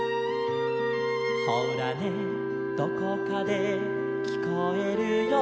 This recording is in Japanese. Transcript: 「ほらねどこかできこえるよ」